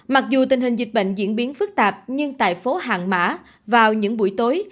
mặc dù tình hình dịch bệnh diễn biến phức tạp nhưng tại phố hàng mã vào những buổi tối